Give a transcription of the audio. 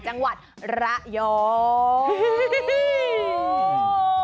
จังหวัดระยอง